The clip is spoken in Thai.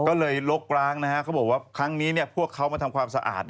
ก็เลยลกล้างเขาบอกว่าครั้งนี้พวกเขามาทำความสะอาด